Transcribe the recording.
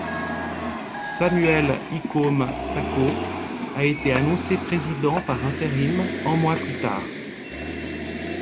Samuel Ikome Sako a été annoncé président par intérim un mois plus tard.